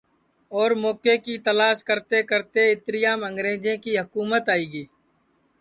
اور موکے کی تلاس کرتے کرتے اِتریام انگریجے کی حکُمت آئی گی